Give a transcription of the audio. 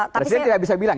presiden tidak bisa bilang